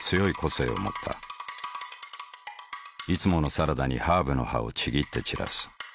いつものサラダにハーブの葉をちぎって散らす。